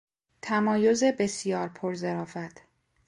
تمایز بسیار پرظرافت